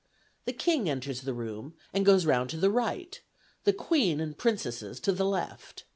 The King enters the room, and goes round to the right; the Queen and Princesses to the left.